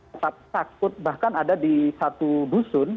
tetap takut bahkan ada di satu dusun